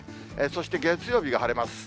そして月曜日が晴れます。